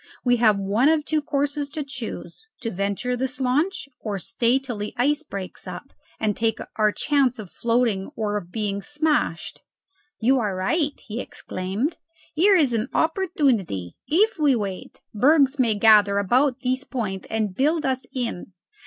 We have one of two courses to choose: to venture this launch, or stay till the ice breaks up, and take our chance of floating or of being smashed." "You are right," he exclaimed. "Here is an opportunity. If we wait, bergs may gather about this point and build us in.